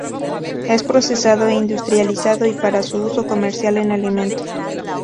Es procesado e industrializado y para su uso comercial en alimentos.